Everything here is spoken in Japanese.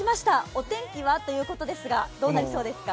お天気はということですが、どうなりそうですか？